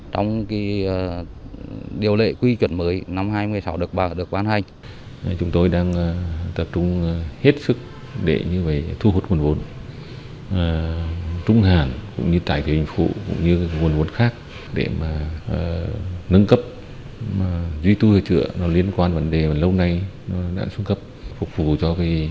trong điều lệ quy chuẩn mới năm hai nghìn một mươi sáu được ban hành